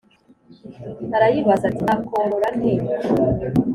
arayibaza ati ‘nzakorora nte?’”